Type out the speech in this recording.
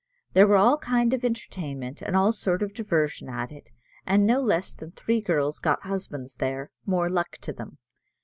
There was all kind of entertainment, and all sort of diversion at it, and no less than three girls got husbands there more luck to them.